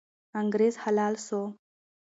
انګریز حلال سو.